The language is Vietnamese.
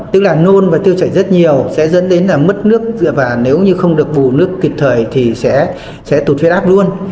tức là nôn và tiêu chảy rất nhiều sẽ dẫn đến mất nước và nếu như không được bù nước kịp thời thì sẽ tụt phê đáp luôn